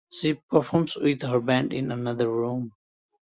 She performs with her band in another room.